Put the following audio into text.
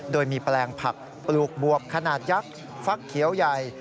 โดยมีแปลงผักปลูกบวบขนาดยักษ์ฟักเขียวใหญ่